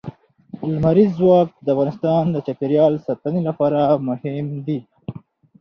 لمریز ځواک د افغانستان د چاپیریال ساتنې لپاره مهم دي.